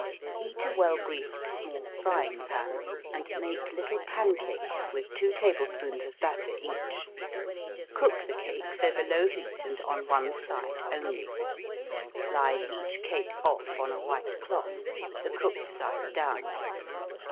Heat a well greased small frying pan and make little pancakes with 2 tablespoons of batter each. Cook the cakes over low heat and on one side only. Slide each cake off on a white cloth, with the cooked side down.